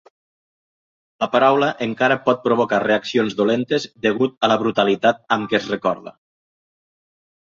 La paraula encara pot provocar reaccions dolentes degut a la brutalitat amb què es recorda.